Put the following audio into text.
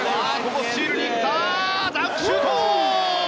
スチールに行ったダンクシュート！